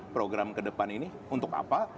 program ke depan ini untuk apa